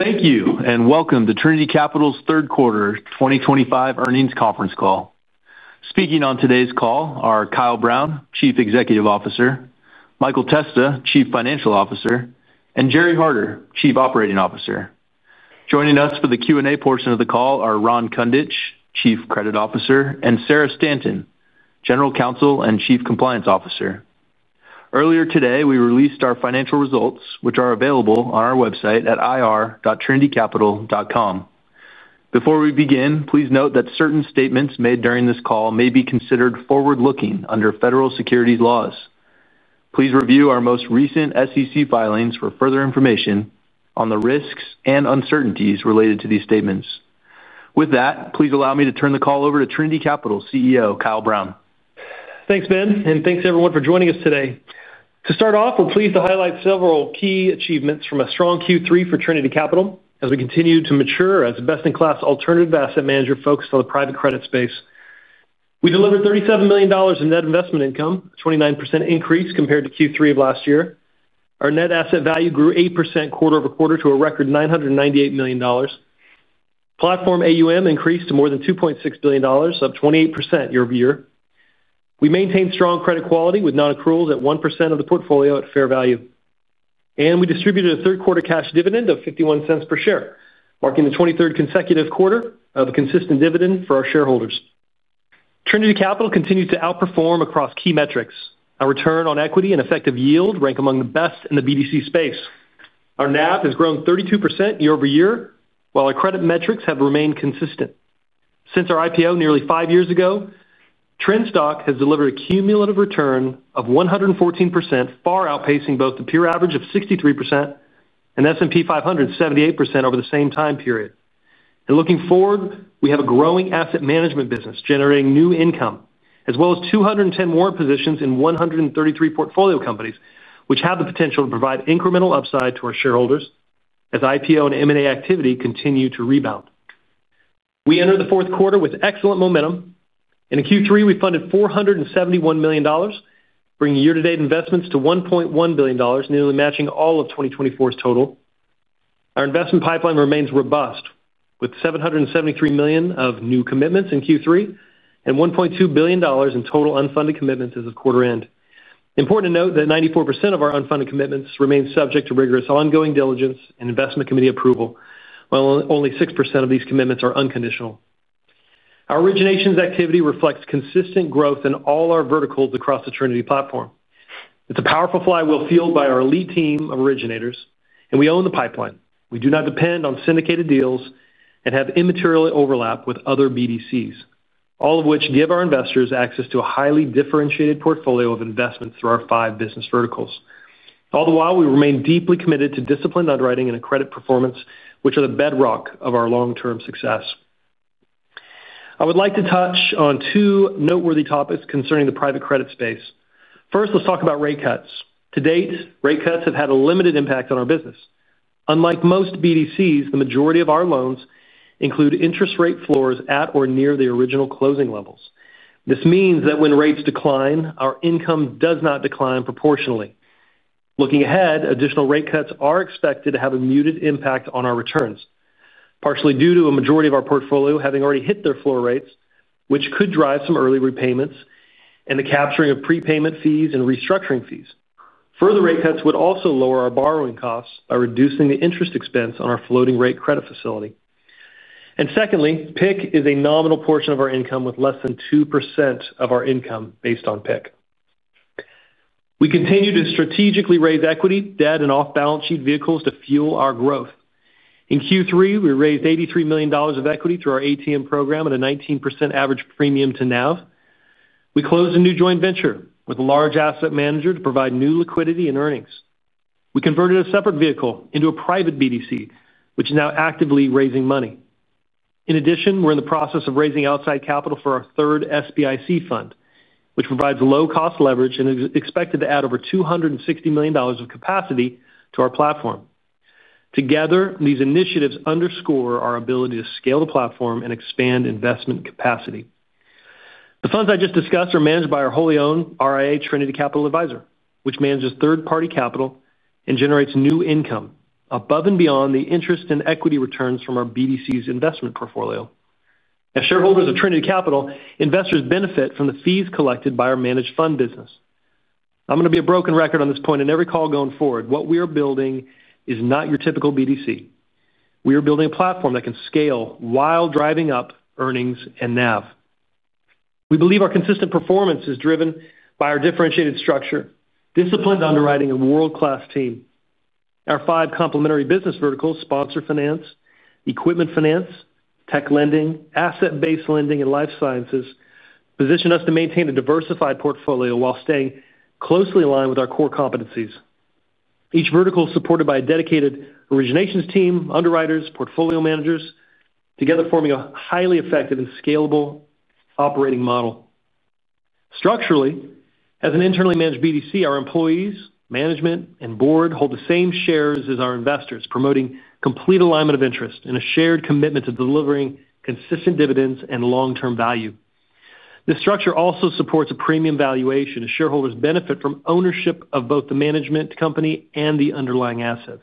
Thank you, and welcome to Trinity Capital's Third Quarter 2025 Earnings Conference Call. Speaking on today's call are Kyle Brown, Chief Executive Officer; Michael Testa, Chief Financial Officer; and Gerry Harder, Chief Operating Officer. Joining us for the Q&A portion of the call are Ron Kundich, Chief Credit Officer, and Sarah Stanton, General Counsel and Chief Compliance Officer. Earlier today, we released our financial results, which are available on our website at ir-trinitycapital.com. Before we begin, please note that certain statements made during this call may be considered forward-looking under federal securities laws. Please review our most recent SEC filings for further information on the risks and uncertainties related to these statements. With that, please allow me to turn the call over to Trinity Capital CEO Kyle Brown. Thanks, Ben, and thanks everyone for joining us today. To start off, we're pleased to highlight several key achievements from a strong Q3 for Trinity Capital as we continue to mature as a best-in-class alternative asset manager focused on the private credit space. We delivered $37 million in net investment income, a 29% increase compared to Q3 of last year. Our net asset value grew 8% quarter over quarter to a record $998 million. Platform AUM increased to more than $2.6 billion, up 28% year-over-year. We maintained strong credit quality with non-accruals at 1% of the portfolio at fair value. We distributed a third-quarter cash dividend of $0.51 per share, marking the 23rd consecutive quarter of a consistent dividend for our shareholders. Trinity Capital continues to outperform across key metrics. Our return on equity and effective yield rank among the best in the BDC space. Our NAV has grown 32% year-over-year, while our credit metrics have remained consistent. Since our IPO nearly five years ago, Trinity Capital has delivered a cumulative return of 114%, far outpacing both the peer average of 63% and S&P 500's 78% over the same time period. Looking forward, we have a growing asset management business generating new income, as well as 210 warrant positions in 133 portfolio companies, which have the potential to provide incremental upside to our shareholders as IPO and M&A activity continue to rebound. We entered the fourth quarter with excellent momentum. In Q3, we funded $471 million, bringing year-to-date investments to $1.1 billion, nearly matching all of 2024's total. Our investment pipeline remains robust, with $773 million of new commitments in Q3 and $1.2 billion in total unfunded commitments as of quarter-end. Important to note that 94% of our unfunded commitments remain subject to rigorous ongoing diligence and investment committee approval, while only 6% of these commitments are unconditional. Our originations activity reflects consistent growth in all our verticals across the Trinity platform. It's a powerful flywheel fueled by our elite team of originators, and we own the pipeline. We do not depend on syndicated deals and have immaterial overlap with other BDCs, all of which give our investors access to a highly differentiated portfolio of investments through our five business verticals. All the while, we remain deeply committed to disciplined underwriting and accredited performance, which are the bedrock of our long-term success. I would like to touch on two noteworthy topics concerning the private credit space. First, let's talk about rate cuts. To date, rate cuts have had a limited impact on our business. Unlike most BDCs, the majority of our loans include interest rate floors at or near the original closing levels. This means that when rates decline, our income does not decline proportionally. Looking ahead, additional rate cuts are expected to have a muted impact on our returns, partially due to a majority of our portfolio having already hit their floor rates, which could drive some early repayments and the capturing of prepayment fees and restructuring fees. Further rate cuts would also lower our borrowing costs by reducing the interest expense on our floating rate credit facility. PIC is a nominal portion of our income, with less than 2% of our income based on PIC. We continue to strategically raise equity, debt, and off-balance sheet vehicles to fuel our growth. In Q3, we raised $83 million of equity through our ATM program at a 19% average premium to NAV. We closed a new joint venture with a large asset manager to provide new liquidity and earnings. We converted a separate vehicle into a private BDC, which is now actively raising money. In addition, we're in the process of raising outside capital for our third SBIC fund, which provides low-cost leverage and is expected to add over $260 million of capacity to our platform. Together, these initiatives underscore our ability to scale the platform and expand investment capacity. The funds I just discussed are managed by our wholly owned RIA Trinity Capital Advisor, which manages third-party capital and generates new income above and beyond the interest and equity returns from our BDC's investment portfolio. As shareholders of Trinity Capital, investors benefit from the fees collected by our managed fund business. I'm going to be a broken record on this point in every call going forward. What we are building is not your typical BDC. We are building a platform that can scale while driving up earnings and NAV. We believe our consistent performance is driven by our differentiated structure, disciplined underwriting, and world-class team. Our five complementary business verticals—sponsor finance, equipment finance, tech lending, asset-based lending, and life sciences—position us to maintain a diversified portfolio while staying closely aligned with our core competencies. Each vertical is supported by a dedicated originations team, underwriters, and portfolio managers, together forming a highly effective and scalable operating model. Structurally, as an internally managed BDC, our employees, management, and board hold the same shares as our investors, promoting complete alignment of interest and a shared commitment to delivering consistent dividends and long-term value. This structure also supports a premium valuation, as shareholders benefit from ownership of both the management company and the underlying assets.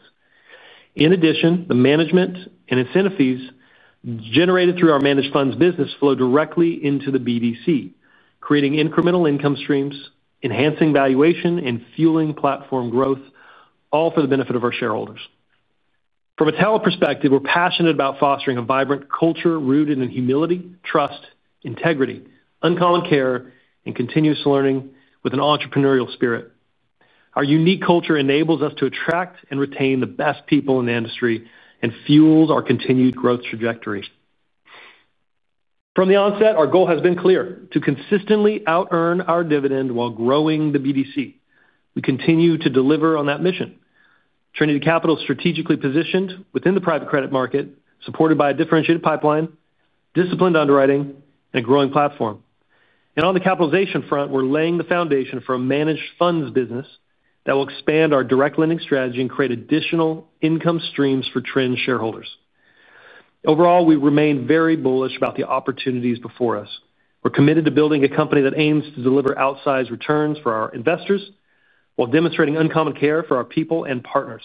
In addition, the management and incentive fees generated through our managed funds business flow directly into the BDC, creating incremental income streams, enhancing valuation, and fueling platform growth, all for the benefit of our shareholders. From a talent perspective, we're passionate about fostering a vibrant culture rooted in humility, trust, integrity, uncommon care, and continuous learning with an entrepreneurial spirit. Our unique culture enables us to attract and retain the best people in the industry and fuels our continued growth trajectory. From the onset, our goal has been clear: to consistently out-earn our dividend while growing the BDC. We continue to deliver on that mission. Trinity Capital is strategically positioned within the private credit market, supported by a differentiated pipeline, disciplined underwriting, and a growing platform. On the capitalization front, we're laying the foundation for a managed funds business that will expand our direct lending strategy and create additional income streams for Trinity shareholders. Overall, we remain very bullish about the opportunities before us. We're committed to building a company that aims to deliver outsized returns for our investors while demonstrating uncommon care for our people and partners.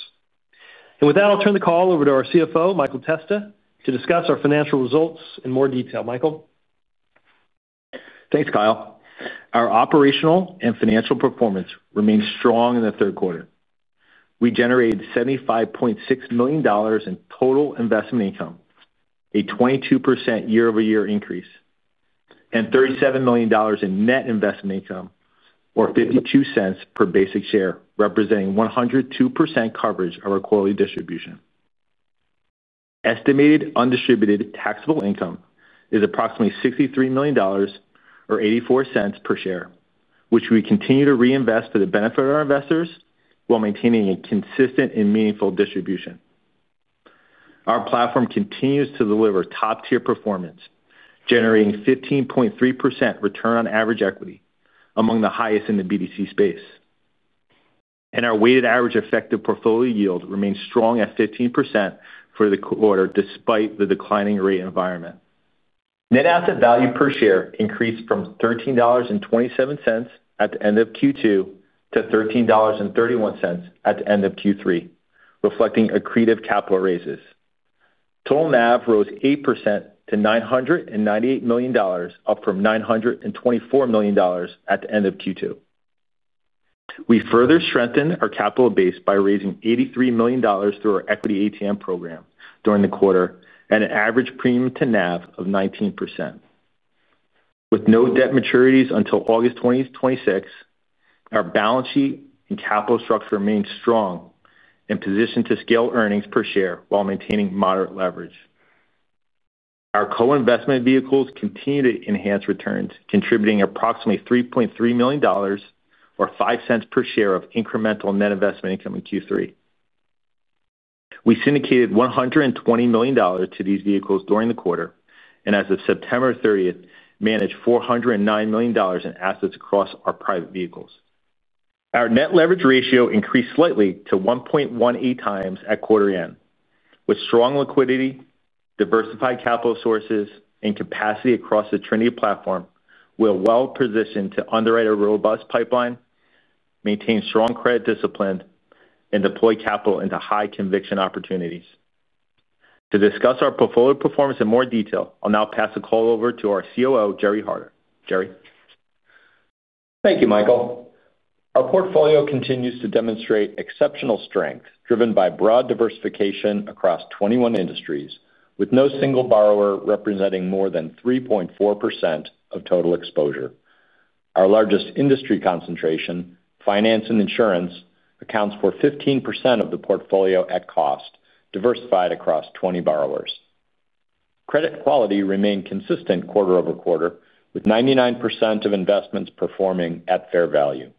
With that, I'll turn the call over to our CFO, Michael Testa, to discuss our financial results in more detail. Michael. Thanks, Kyle. Our operational and financial performance remained strong in the third quarter. We generated $75.6 million in total investment income, a 22% year-over-year increase, and $37 million in net investment income, or $0.52 per basic share, representing 102% coverage of our quarterly distribution. Estimated undistributed taxable income is approximately $63 million, or $0.84 per share, which we continue to reinvest for the benefit of our investors while maintaining a consistent and meaningful distribution. Our platform continues to deliver top-tier performance, generating 15.3% return on average equity, among the highest in the BDC space. Our weighted average effective portfolio yield remains strong at 15% for the quarter, despite the declining rate environment. Net asset value per share increased from $13.27 at the end of Q2 to $13.31 at the end of Q3, reflecting accretive capital raises. Total NAV rose 8% to $998 million, up from $924 million at the end of Q2. We further strengthened our capital base by raising $83 million through our equity ATM program during the quarter at an average premium to NAV of 19%. With no debt maturities until August 2026, our balance sheet and capital structure remained strong and positioned to scale earnings per share while maintaining moderate leverage. Our co-investment vehicles continue to enhance returns, contributing approximately $3.3 million, or $0.05 per share, of incremental net investment income in Q3. We syndicated $120 million to these vehicles during the quarter and, as of September 30th, managed $409 million in assets across our private vehicles. Our net leverage ratio increased slightly to 1.18 times at quarter-end. With strong liquidity, diversified capital sources, and capacity across the Trinity platform, we are well-positioned to underwrite a robust pipeline, maintain strong credit discipline, and deploy capital into high-conviction opportunities. To discuss our portfolio performance in more detail, I'll now pass the call over to our COO, Gerry Harder. Gerry. Thank you, Michael. Our portfolio continues to demonstrate exceptional strength driven by broad diversification across 21 industries, with no single borrower representing more than 3.4% of total exposure. Our largest industry concentration, finance and insurance, accounts for 15% of the portfolio at cost, diversified across 20 borrowers. Credit quality remained consistent quarter over quarter, with 99% of investments performing at fair value.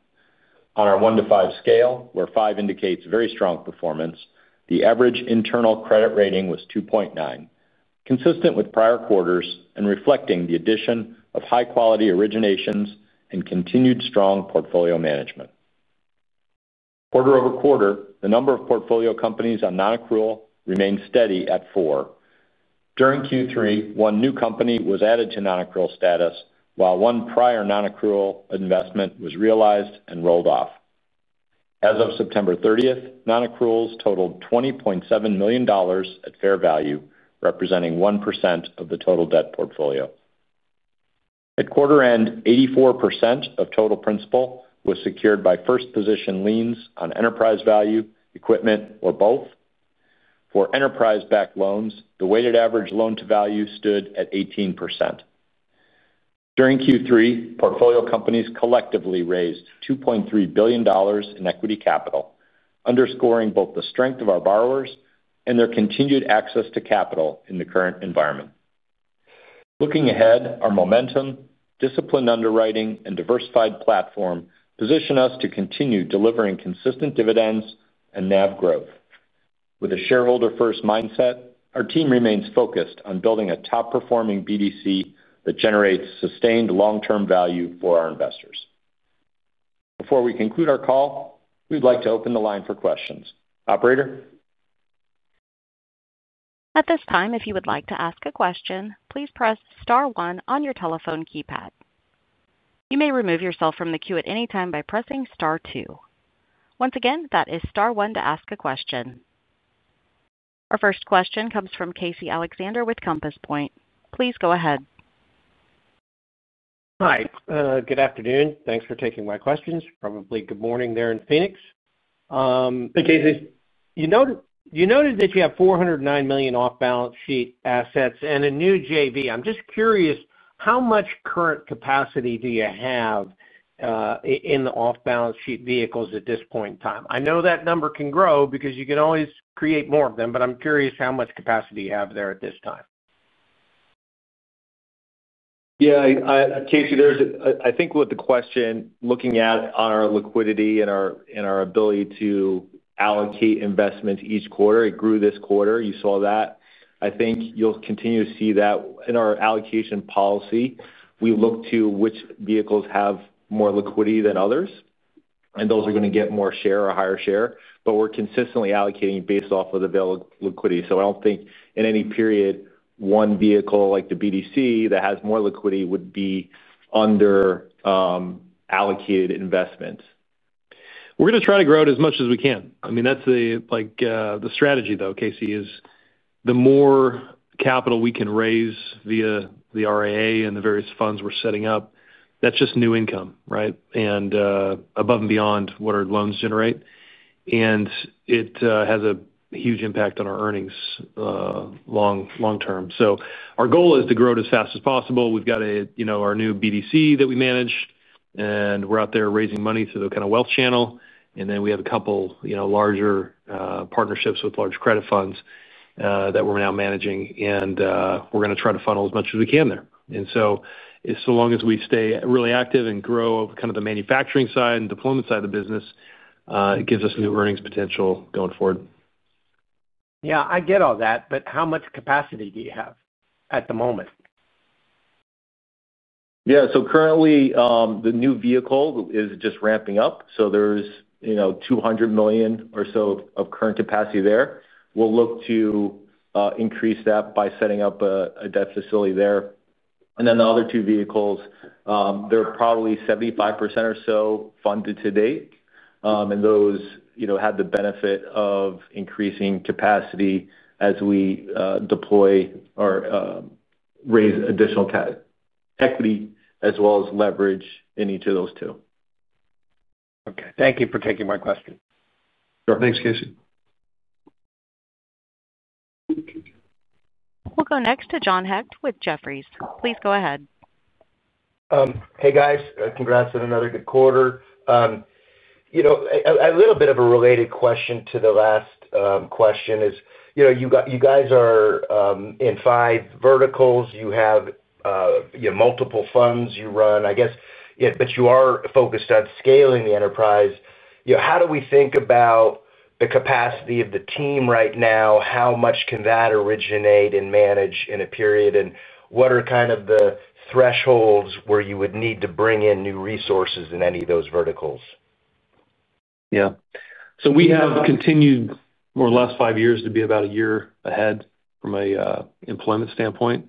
On our 1 to 5 scale, where 5 indicates very strong performance, the average internal credit rating was 2.9, consistent with prior quarters and reflecting the addition of high-quality originations and continued strong portfolio management. Quarter over quarter, the number of portfolio companies on non-accrual remained steady at four. During Q3, one new company was added to non-accrual status, while one prior non-accrual investment was realized and rolled off. As of September 30, non-accruals totaled $20.7 million at fair value, representing 1% of the total debt portfolio. At quarter-end, 84% of total principal was secured by first-position liens on enterprise value, equipment, or both. For enterprise-backed loans, the weighted average loan-to-value stood at 18%. During Q3, portfolio companies collectively raised $2.3 billion in equity capital, underscoring both the strength of our borrowers and their continued access to capital in the current environment. Looking ahead, our momentum, disciplined underwriting, and diversified platform position us to continue delivering consistent dividends and NAV growth. With a shareholder-first mindset, our team remains focused on building a top-performing BDC that generates sustained long-term value for our investors. Before we conclude our call, we'd like to open the line for questions. Operator. At this time, if you would like to ask a question, please press star one on your telephone keypad. You may remove yourself from the queue at any time by pressing star two. Once again, that is star one to ask a question. Our first question comes from Casey Alexander with Compass Point. Please go ahead. Hi. Good afternoon. Thanks for taking my questions. Probably good morning there in Phoenix. Hey, Casey. You noted that you have $409 million off-balance sheet assets and a new JV. I'm just curious, how much current capacity do you have in the off-balance sheet vehicles at this point in time? I know that number can grow because you can always create more of them, but I'm curious how much capacity you have there at this time. Yeah. Casey, I think with the question looking at our liquidity and our ability to allocate investments each quarter, it grew this quarter. You saw that. I think you'll continue to see that in our allocation policy. We look to which vehicles have more liquidity than others, and those are going to get more share or higher share. But we're consistently allocating based off of the available liquidity. I don't think in any period one vehicle like the BDC that has more liquidity would be under allocated investments. We're going to try to grow it as much as we can. I mean, that's the strategy, though, Casey, is the more capital we can raise via the RIA and the various funds we're setting up, that's just new income, right, and above and beyond what our loans generate. It has a huge impact on our earnings. Long-term. Our goal is to grow it as fast as possible. We've got our new BDC that we manage, and we're out there raising money through the kind of wealth channel. We have a couple larger partnerships with large credit funds that we're now managing, and we're going to try to funnel as much as we can there. As long as we stay really active and grow kind of the manufacturing side and deployment side of the business, it gives us new earnings potential going forward. Yeah. I get all that, but how much capacity do you have at the moment? Yeah. Currently, the new vehicle is just ramping up. There is $200 million or so of current capacity there. We'll look to increase that by setting up a debt facility there. The other two vehicles are probably 75% or so funded to date. Those had the benefit of increasing capacity as we deploy or raise additional equity as well as leverage in each of those two. Okay. Thank you for taking my question. Sure. Thanks, Casey. We'll go next to John Hecht with Jefferies. Please go ahead. Hey, guys. Congrats on another good quarter. A little bit of a related question to the last question is you guys are in five verticals. You have multiple funds you run, I guess, but you are focused on scaling the enterprise. How do we think about the capacity of the team right now? How much can that originate and manage in a period? And what are kind of the thresholds where you would need to bring in new resources in any of those verticals? Yeah. We have continued over the last five years to be about a year ahead from an employment standpoint.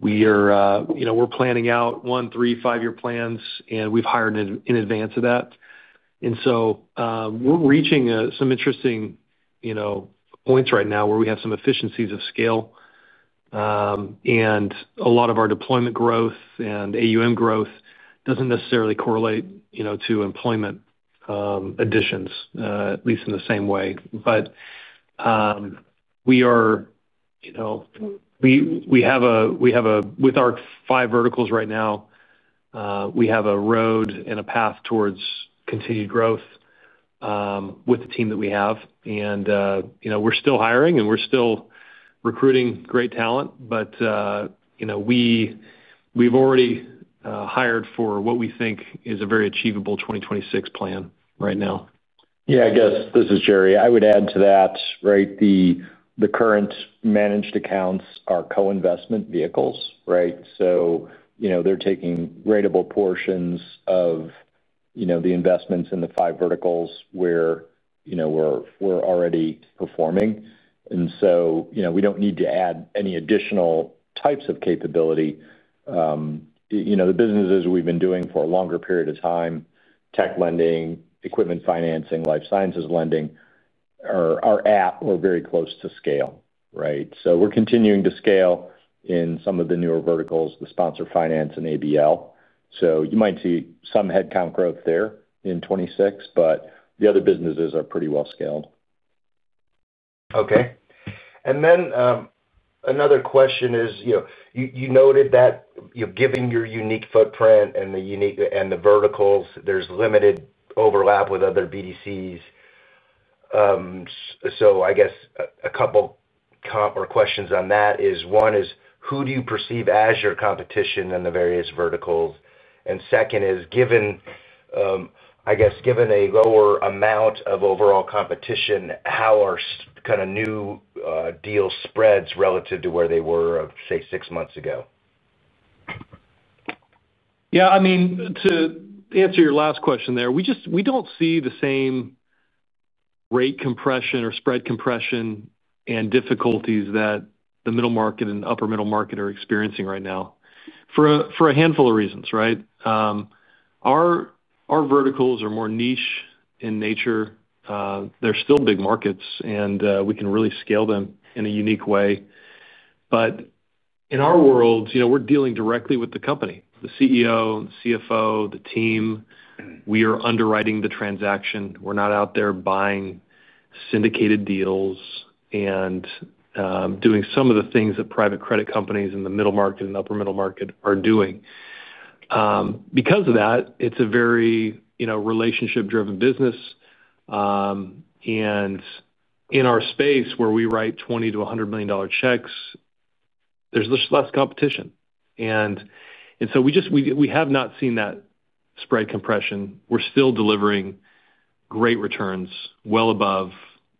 We're planning out one, three, five-year plans, and we've hired in advance of that. We're reaching some interesting points right now where we have some efficiencies of scale. A lot of our deployment growth and AUM growth does not necessarily correlate to employment additions, at least in the same way. We have, with our five verticals right now, a road and a path towards continued growth with the team that we have. We're still hiring, and we're still recruiting great talent. We've already hired for what we think is a very achievable 2026 plan right now. Yeah. I guess this is Gerry. I would add to that, right? The current managed accounts are co-investment vehicles, right? So they're taking ratable portions of the investments in the five verticals where we're already performing. And so we do not need to add any additional types of capability. The businesses we've been doing for a longer period of time, tech lending, equipment finance, life sciences lending, are at or very close to scale, right? We're continuing to scale in some of the newer verticals, the sponsor finance and ABL. You might see some headcount growth there in 2026, but the other businesses are pretty well scaled. Okay. And then another question is, you noted that given your unique footprint and the verticals, there's limited overlap with other BDCs. I guess a couple questions on that is, one is, who do you perceive as your competition in the various verticals? And second is, given, I guess, given a lower amount of overall competition, how are kind of new deal spreads relative to where they were of, say, six months ago? Yeah. I mean, to answer your last question there, we don't see the same rate compression or spread compression and difficulties that the middle market and upper middle market are experiencing right now. For a handful of reasons, right? Our verticals are more niche in nature. They're still big markets, and we can really scale them in a unique way. In our world, we're dealing directly with the company, the CEO, the CFO, the team. We are underwriting the transaction. We're not out there buying syndicated deals and doing some of the things that private credit companies in the middle market and upper middle market are doing. Because of that, it's a very relationship-driven business. In our space, where we write $20 million-$100 million checks, there's less competition. We have not seen that spread compression. We're still delivering great returns well above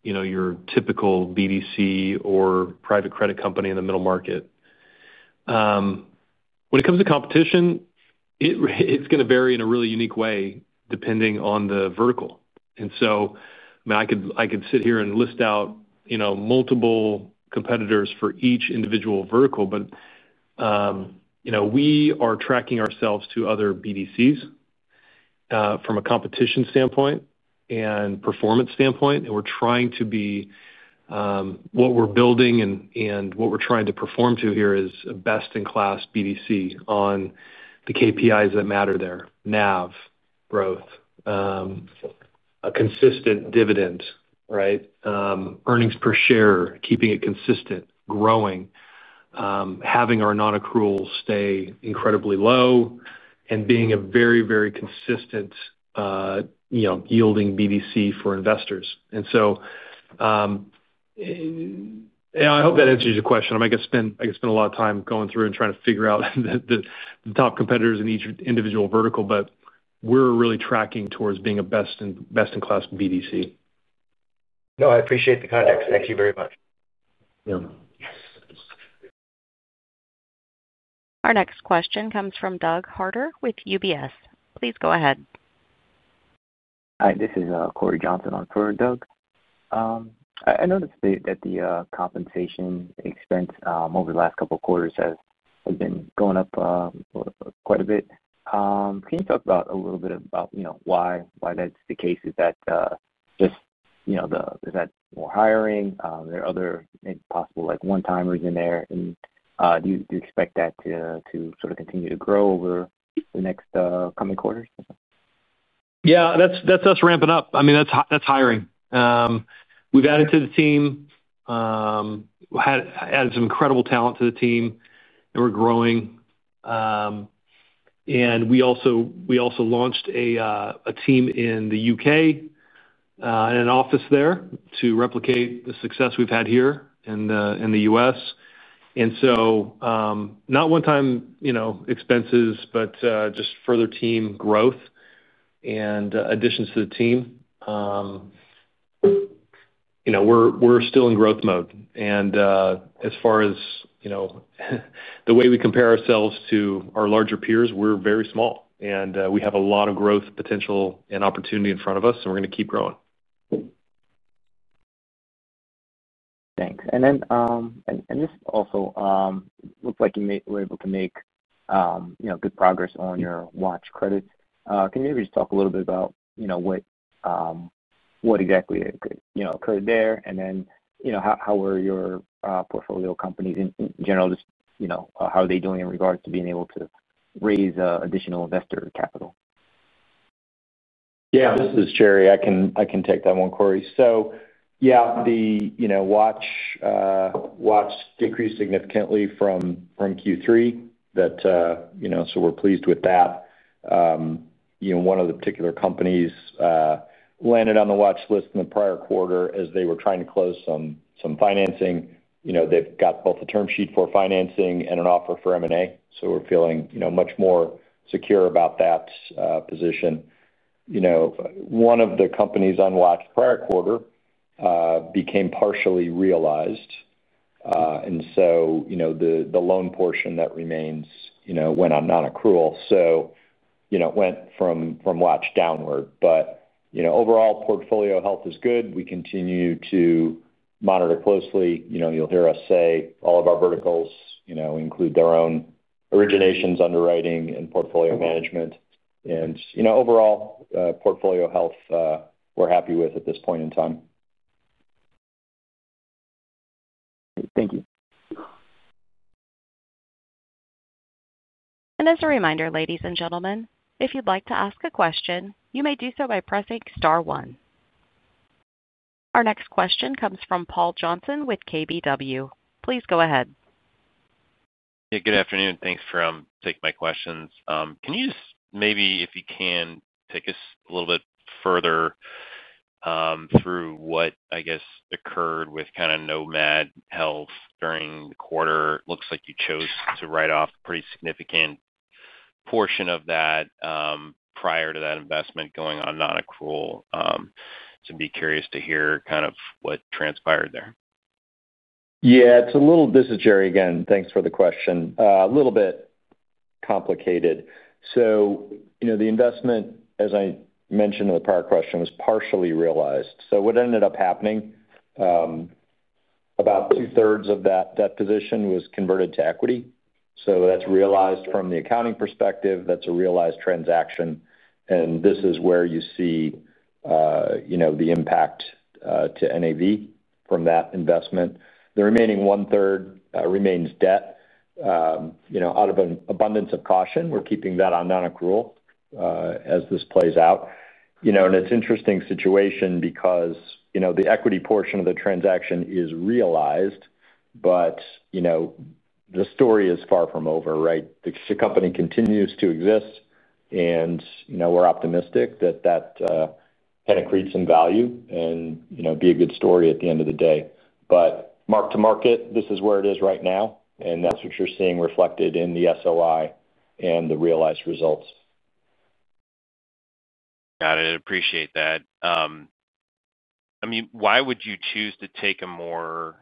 your typical BDC or private credit company in the middle market. When it comes to competition, it's going to vary in a really unique way depending on the vertical. I mean, I could sit here and list out multiple competitors for each individual vertical, but we are tracking ourselves to other BDCs from a competition standpoint and performance standpoint. We're trying to be what we're building and what we're trying to perform to here is a best-in-class BDC on the KPIs that matter there: NAV, growth, a consistent dividend, right, earnings per share, keeping it consistent, growing, having our non-accrual stay incredibly low, and being a very, very consistent yielding BDC for investors. I hope that answers your question. I mean, I could spend a lot of time going through and trying to figure out the top competitors in each individual vertical, but we're really tracking towards being a best-in-class BDC. No, I appreciate the context. Thank you very much. Yeah. Our next question comes from Doug Harter with UBS. Please go ahead. Hi. This is Corey Johnson on for Doug. I noticed that the compensation expense over the last couple of quarters has been going up quite a bit. Can you talk a little bit about why that's the case? Is that just, is that more hiring? Are there other possible one-timers in there? Do you expect that to sort of continue to grow over the next coming quarters? Yeah. That's us ramping up. I mean, that's hiring. We've added to the team. Added some incredible talent to the team, and we're growing. We also launched a team in the U.K. and an office there to replicate the success we've had here in the U.S. Not one-time expenses, but just further team growth and additions to the team. We're still in growth mode. As far as the way we compare ourselves to our larger peers, we're very small. We have a lot of growth potential and opportunity in front of us, and we're going to keep growing. Thanks. This also looks like you were able to make good progress on your watch credits. Can you maybe just talk a little bit about what exactly occurred there? How were your portfolio companies in general? Just how are they doing in regards to being able to raise additional investor capital? Yeah. This is Gerry. I can take that one, Corey. Yeah, the watch decreased significantly from Q3. We are pleased with that. One of the particular companies landed on the watch list in the prior quarter as they were trying to close some financing. They have got both a term sheet for financing and an offer for M&A. We are feeling much more secure about that position. One of the companies on watch the prior quarter became partially realized, and the loan portion that remains went on non-accrual. It went from watch downward. Overall, portfolio health is good. We continue to monitor closely. You will hear us say all of our verticals include their own originations, underwriting, and portfolio management. Overall, portfolio health, we are happy with at this point in time. Thank you. As a reminder, ladies and gentlemen, if you'd like to ask a question, you may do so by pressing star one. Our next question comes from Paul Johnson with KBW. Please go ahead. Yeah. Good afternoon. Thanks for taking my questions. Can you just maybe, if you can, take us a little bit further through what, I guess, occurred with kind of Nomad Health during the quarter? It looks like you chose to write off a pretty significant portion of that prior to that investment going on non-accrual. I'd be curious to hear kind of what transpired there. Yeah. It's a little—this is Gerry again. Thanks for the question. A little bit complicated. So the investment, as I mentioned in the prior question, was partially realized. What ended up happening, about two-thirds of that position was converted to equity. That's realized from the accounting perspective. That's a realized transaction. This is where you see the impact to NAV from that investment. The remaining one-third remains debt. Out of an abundance of caution, we're keeping that on non-accrual as this plays out. It's an interesting situation because the equity portion of the transaction is realized, but the story is far from over, right? The company continues to exist. We're optimistic that that can accrete some value and be a good story at the end of the day. Mark to market, this is where it is right now. That is what you are seeing reflected in the SOI and the realized results. Got it. I appreciate that. I mean, why would you choose to take a more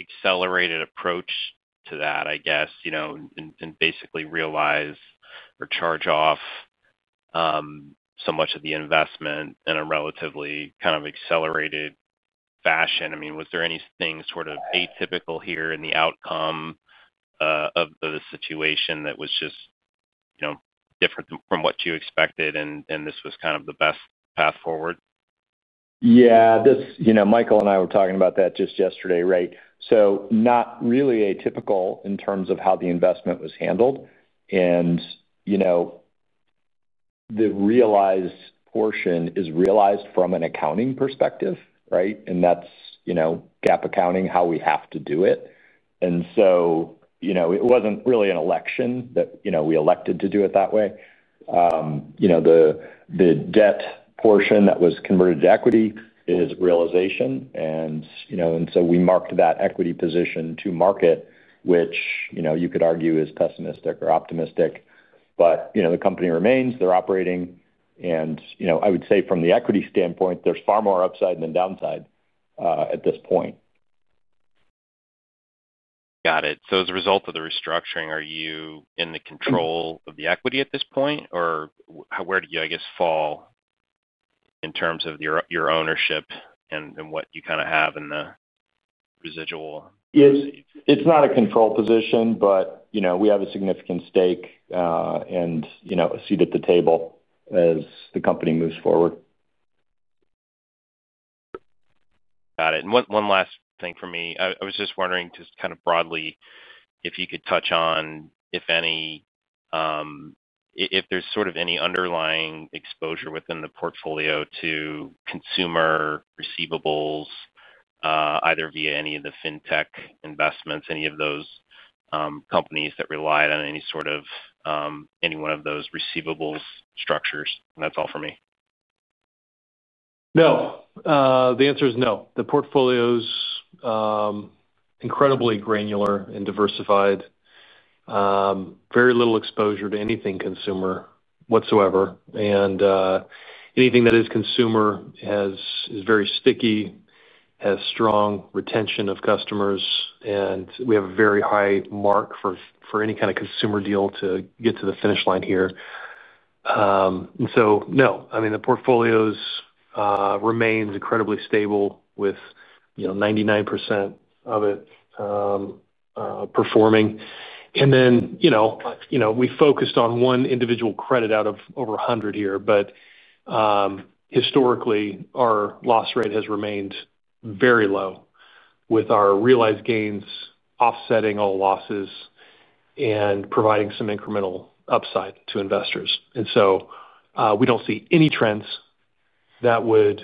accelerated approach to that, I guess, and basically realize or charge off so much of the investment in a relatively kind of accelerated fashion? I mean, was there anything sort of atypical here in the outcome of the situation that was just different from what you expected, and this was kind of the best path forward? Yeah. Michael and I were talking about that just yesterday, right? Not really atypical in terms of how the investment was handled. The realized portion is realized from an accounting perspective, right? That's GAAP accounting, how we have to do it. It wasn't really an election that we elected to do it that way. The debt portion that was converted to equity is realization. We marked that equity position to market, which you could argue is pessimistic or optimistic. The company remains. They're operating. I would say from the equity standpoint, there's far more upside than downside at this point. Got it. As a result of the restructuring, are you in the control of the equity at this point? Or where do you, I guess, fall in terms of your ownership and what you kind of have in the residual? It's not a control position, but we have a significant stake and a seat at the table as the company moves forward. Got it. One last thing for me. I was just wondering just kind of broadly if you could touch on, if any, if there's sort of any underlying exposure within the portfolio to consumer receivables, either via any of the fintech investments, any of those companies that relied on any sort of, any one of those receivables structures. That's all for me. No. The answer is no. The portfolio is incredibly granular and diversified. Very little exposure to anything consumer whatsoever. Anything that is consumer is very sticky, has strong retention of customers. We have a very high mark for any kind of consumer deal to get to the finish line here. No. I mean, the portfolio remains incredibly stable with 99% of it performing. We focused on one individual credit out of over 100 here, but historically, our loss rate has remained very low with our realized gains offsetting all losses and providing some incremental upside to investors. We do not see any trends that would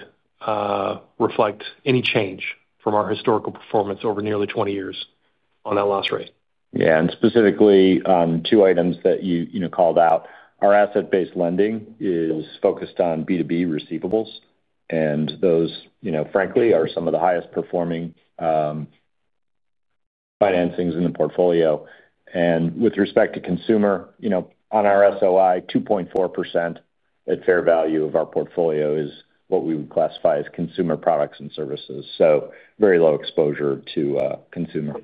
reflect any change from our historical performance over nearly 20 years on that loss rate. Yeah. Specifically, two items that you called out. Our asset-based lending is focused on B2B receivables. Those, frankly, are some of the highest performing financings in the portfolio. With respect to consumer, on our SOI, 2.4% at fair value of our portfolio is what we would classify as consumer products and services. Very low exposure to consumer.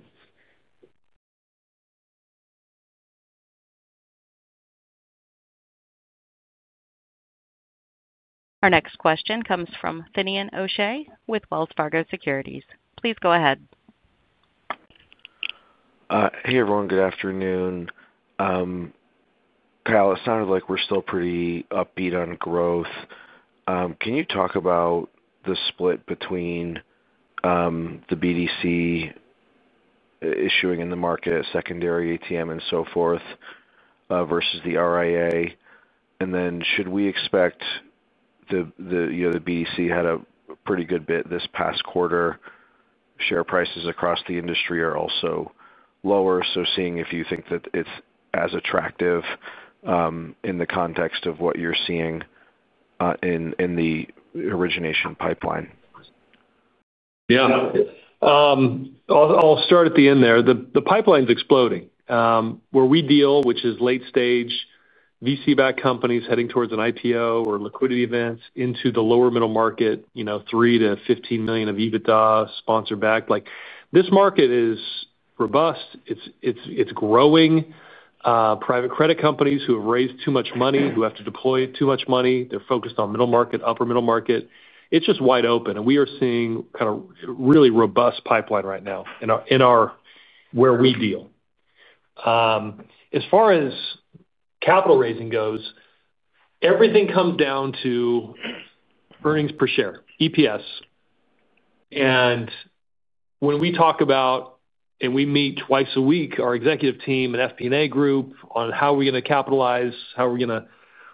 Our next question comes from Finian O'Shea with Wells Fargo Securities. Please go ahead. Hey, everyone. Good afternoon. Kyle, it sounded like we're still pretty upbeat on growth. Can you talk about the split between the BDC issuing in the market, secondary ATM, and so forth, versus the RIA? And then should we expect the BDC had a pretty good bit this past quarter? Share prices across the industry are also lower. Seeing if you think that it's as attractive in the context of what you're seeing in the origination pipeline. Yeah. I'll start at the end there. The pipeline's exploding. Where we deal, which is late-stage VC-backed companies heading towards an IPO or liquidity events into the lower middle market, $3 million-$15 million of EBITDA sponsor-backed. This market is robust. It's growing. Private credit companies who have raised too much money, who have to deploy too much money. They're focused on middle market, upper middle market. It's just wide open. We are seeing kind of a really robust pipeline right now in where we deal. As far as capital raising goes, everything comes down to earnings per share, EPS. When we talk about, and we meet twice a week, our executive team and FP&A group on how are we going to capitalize, how are we going to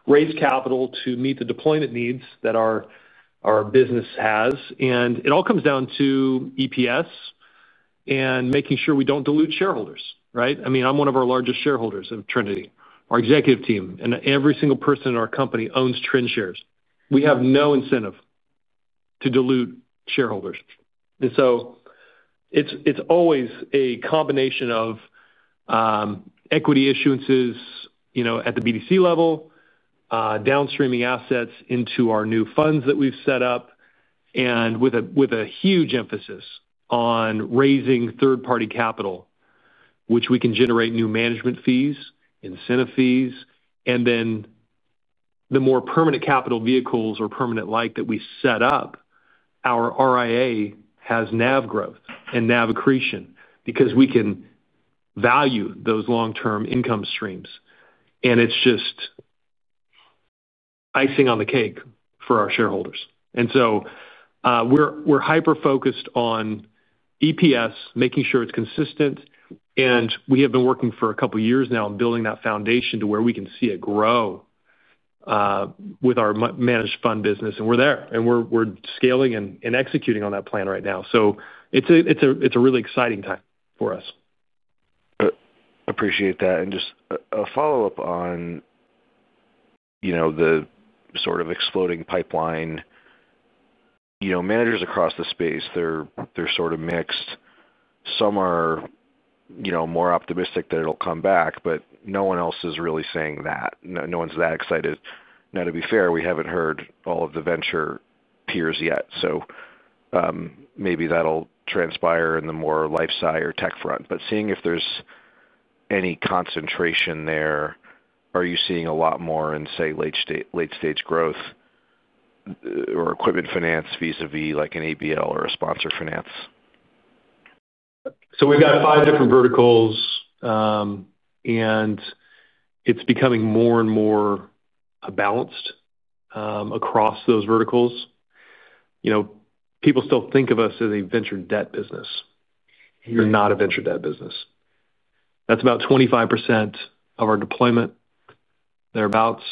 raise capital to meet the deployment needs that our business has. It all comes down to EPS. Making sure we do not dilute shareholders, right? I mean, I am one of our largest shareholders of Trinity, our executive team. Every single person in our company owns Trin shares. We have no incentive to dilute shareholders. It is always a combination of equity issuances at the BDC level, downstreaming assets into our new funds that we have set up, and with a huge emphasis on raising third-party capital, which we can generate new management fees, incentive fees. The more permanent capital vehicles or permanent-like that we set up, our RIA has NAV growth and NAV accretion because we can value those long-term income streams. It is just icing on the cake for our shareholders. We are hyper-focused on EPS, making sure it is consistent. We have been working for a couple of years now on building that foundation to where we can see it grow. With our managed fund business, we're there, and we're scaling and executing on that plan right now. It is a really exciting time for us. I appreciate that. Just a follow-up on the sort of exploding pipeline. Managers across the space, they're sort of mixed. Some are more optimistic that it'll come back, but no one else is really saying that. No one's that excited. To be fair, we haven't heard all of the venture peers yet. Maybe that'll transpire in the more life-sci or tech front. Seeing if there's any concentration there, are you seeing a lot more in, say, late-stage growth or equipment finance vis-à-vis an ABL or a sponsor finance? We have five different verticals. It is becoming more and more balanced across those verticals. People still think of us as a venture debt business. We are not a venture debt business. That is about 25% of our deployment, thereabouts.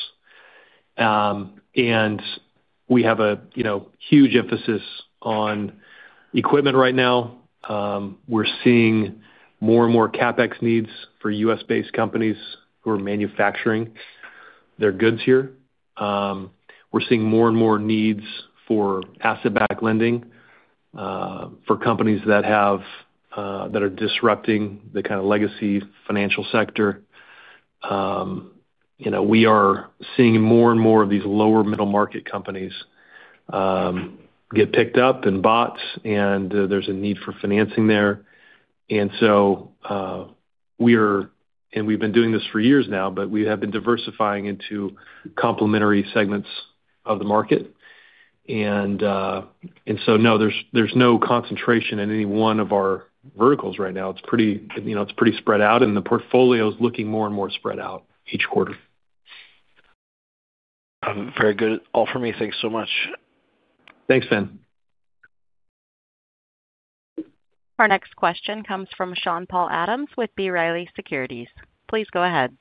We have a huge emphasis on equipment right now. We are seeing more and more CapEx needs for US-based companies who are manufacturing their goods here. We are seeing more and more needs for asset-backed lending for companies that are disrupting the kind of legacy financial sector. We are seeing more and more of these lower middle market companies get picked up and bought, and there is a need for financing there. We have been doing this for years now, but we have been diversifying into complementary segments of the market. There is no concentration in any one of our verticals right now. It's pretty spread out, and the portfolio is looking more and more spread out each quarter. Very good. All for me. Thanks so much. Thanks, Finn. Our next question comes from Sean Paul Adams with B Riley Securities. Please go ahead.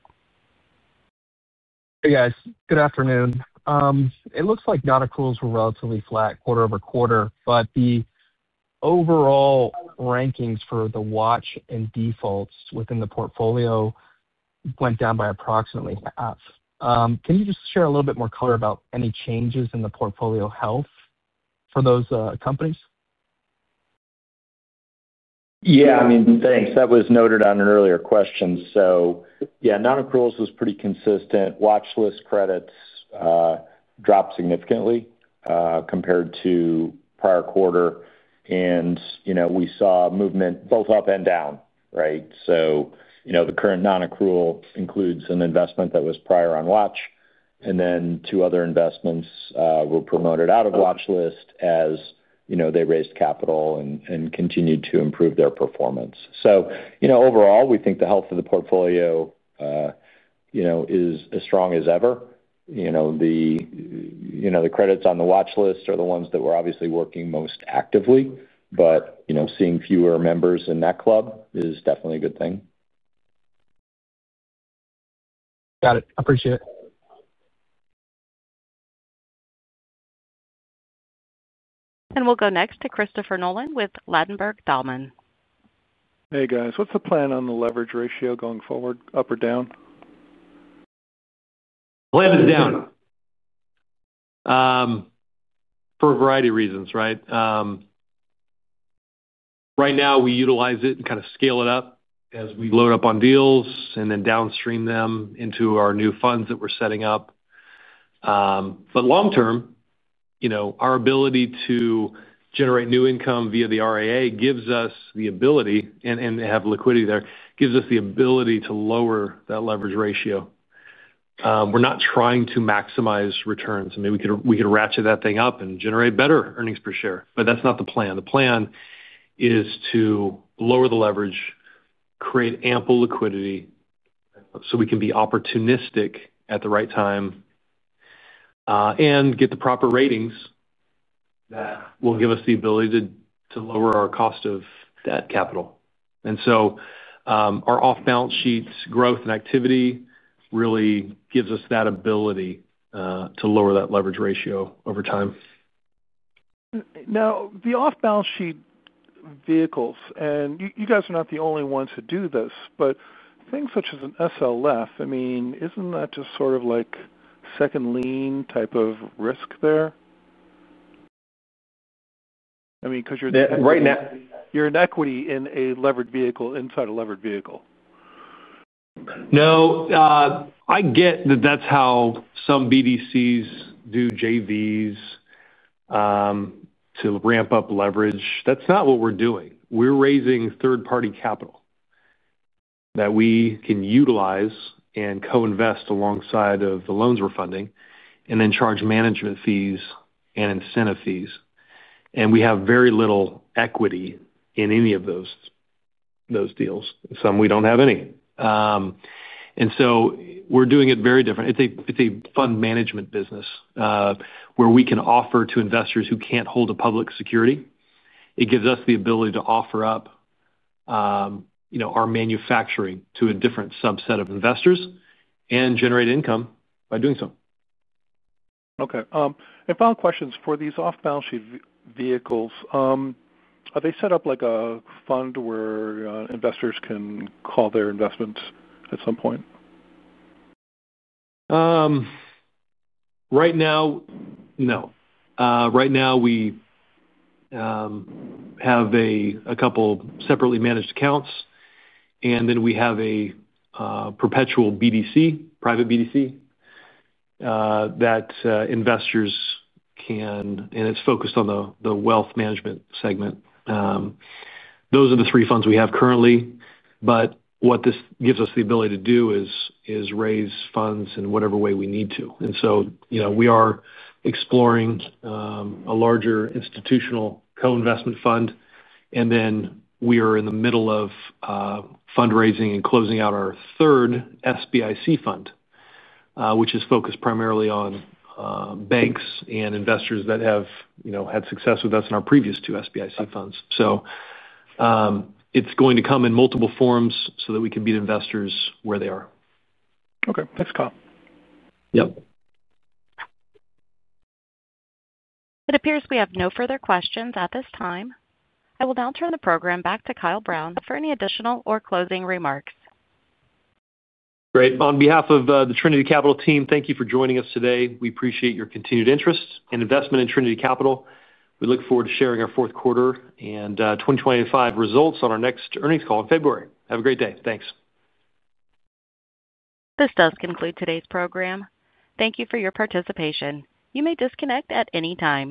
Hey, guys. Good afternoon. It looks like NAV accruals were relatively flat quarter over quarter, but the overall rankings for the watch and defaults within the portfolio went down by approximately half. Can you just share a little bit more color about any changes in the portfolio health for those companies? Yeah. I mean, thanks. That was noted on an earlier question. Yeah, non-accruals was pretty consistent. Watch list credits dropped significantly compared to the prior quarter. We saw movement both up and down, right? The current non-accrual includes an investment that was prior on watch, and then two other investments were promoted out of watch list as they raised capital and continued to improve their performance. Overall, we think the health of the portfolio is as strong as ever. The credits on the watch list are the ones that we're obviously working most actively. Seeing fewer members in that club is definitely a good thing. Got it. I appreciate it. We'll go next to Christopher Nolan with Ladenburg Thalmann. Hey, guys. What's the plan on the leverage ratio going forward, up or down? Leverage is down. For a variety of reasons, right? Right now, we utilize it and kind of scale it up as we load up on deals and then downstream them into our new funds that we're setting up. Long-term, our ability to generate new income via the RIA gives us the ability, and having liquidity there gives us the ability, to lower that leverage ratio. We're not trying to maximize returns. I mean, we could ratchet that thing up and generate better earnings per share. That's not the plan. The plan is to lower the leverage, create ample liquidity so we can be opportunistic at the right time, and get the proper ratings. That will give us the ability to lower our cost of that capital. Our off-balance sheet growth and activity really gives us that ability to lower that leverage ratio over time. Now, the off-balance sheet vehicles, and you guys are not the only ones who do this, but things such as an SLF, I mean, isn't that just sort of like second lien type of risk there? I mean, because you're an equity in a leverage vehicle inside a leverage vehicle. No. I get that that's how some BDCs do JVs to ramp up leverage. That's not what we're doing. We're raising third-party capital that we can utilize and co-invest alongside of the loans we're funding and then charge management fees and incentive fees. And we have very little equity in any of those deals. Some we don't have any. We're doing it very different. It's a fund management business where we can offer to investors who can't hold a public security. It gives us the ability to offer up our manufacturing to a different subset of investors and generate income by doing so. Okay. Final questions for these off-balance sheet vehicles. Are they set up like a fund where investors can call their investments at some point? Right now, we have a couple of separately managed accounts. We have a perpetual BDC, private BDC that investors can, and it is focused on the wealth management segment. Those are the three funds we have currently. What this gives us the ability to do is raise funds in whatever way we need to. We are exploring a larger institutional co-investment fund. We are in the middle of fundraising and closing out our third SBIC fund, which is focused primarily on banks and investors that have had success with us in our previous two SBIC funds. It is going to come in multiple forms so that we can meet investors where they are. Okay. Thanks, Kyle. Yep. It appears we have no further questions at this time. I will now turn the program back to Kyle Brown for any additional or closing remarks. Great. On behalf of the Trinity Capital team, thank you for joining us today. We appreciate your continued interest and investment in Trinity Capital. We look forward to sharing our fourth quarter and 2025 results on our next earnings call in February. Have a great day. Thanks. This does conclude today's program. Thank you for your participation. You may disconnect at any time.